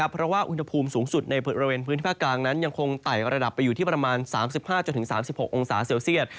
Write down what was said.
เพราะว่าอุณหภูมิสูงสุดในบริเวณพื้นที่ภาคกลางนั้นยังคงไต่ระดับไปอยู่ที่ประมาณ๓๕๓๖องศาเซลเซียต